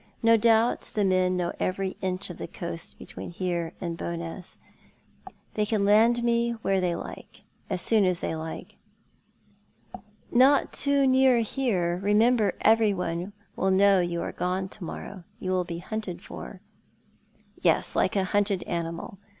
No doubt the men know every inch of the coast between here and Bowness. They can land me where they like, and as soon as they like." " Not too near here ; remember everyone will know you are gone to morrow morning. You will be hunted for." " Yes, like a hunted animal.